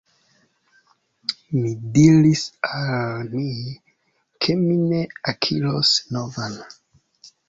Mi diris al mi, ke mi ne akiros novan.